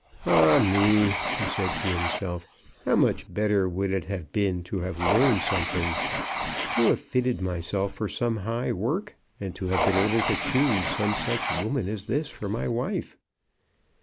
"Ah me," he said to himself, "how much better would it have been to have learned something, to have fitted myself for some high work; and to have been able to choose some such woman as this for my wife!"